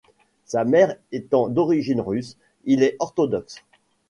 Sa mère étant d'origine russe, il est orthodoxe.